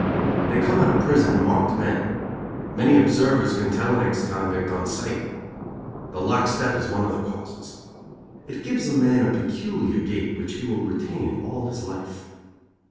They come out of prison marked men. Many observers can tell an ex convict on sight. The lock step is one of the causes. It gives a man a peculiar gait which he will retain all his life.